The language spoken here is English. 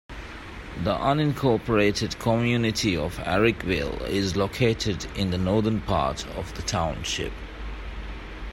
The unincorporated community of Herrickville is located in the northern part of the township.